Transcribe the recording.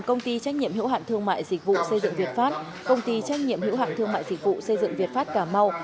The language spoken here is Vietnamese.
công ty trách nhiệm hữu hạn thương mại dịch vụ xây dựng việt pháp công ty trách nhiệm hữu hạn thương mại dịch vụ xây dựng việt pháp cà mau